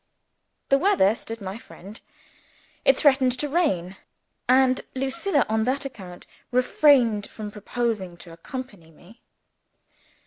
The weather stood my friend. It threatened to rain; and Lucilla, on that account, refrained from proposing to accompany me.